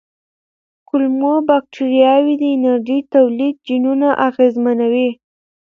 کولمو بکتریاوې د انرژۍ تولید جینونه اغېزمنوي.